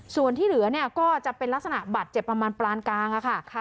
ส่วนที่เหลือเนี่ยก็จะเป็นลักษณะบัตรเจ็บประมาณปลานกลางค่ะ